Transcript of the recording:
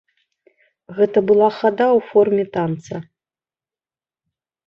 Гэта была хада ў форме танца.